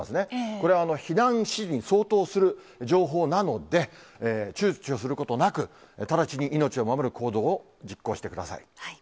これ、避難指示に相当する情報なので、ちゅうちょすることなく、直ちに命を守る行動を実行してください。